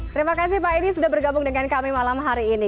terima kasih pak edi sudah bergabung dengan kami malam hari ini